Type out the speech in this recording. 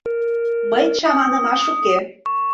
Мый чаманымаш уке.